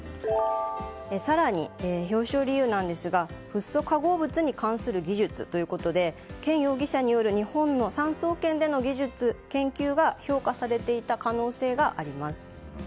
更に表彰理由ですがフッ素化合物に関する技術でケン容疑者による日本の産総研での技術研究が評価されていた可能性があります。